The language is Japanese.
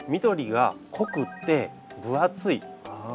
緑が濃くって分厚い。